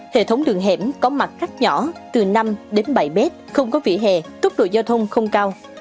hệ thống đường hẻm có mặt cắt nhỏ từ năm đến bảy mét không có vỉa hè tốc độ giao thông không cao